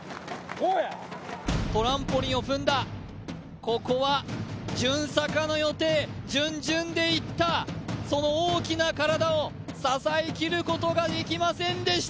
トランポリンを踏んだ、ここは順逆の予定、順順でいった、その大きな体を支えきることができませんでした。